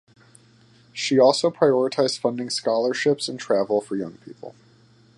She also prioritized funding scholarships and travel for young people.